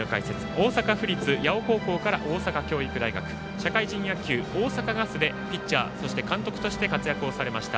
大阪府立八尾高校から大阪教育大学社会人野球、大阪ガスでピッチャー、そして監督として活躍をされました。